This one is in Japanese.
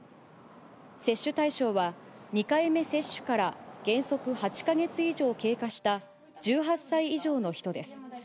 接種対象は、２回目接種から原則８か月以上経過した１８歳以上の人です。